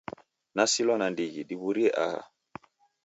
Nasilwa nandighi diw'urie aha.